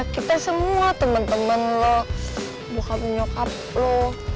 kita semua temen temen lo bukan nyokap lo